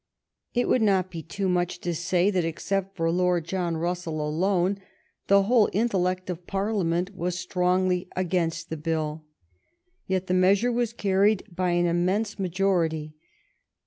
It would not be too much to say that, except for Lord John Russell alone, the whole intellect of Par liament was strongly against the bill. Yet the measure was carried by an immense majority.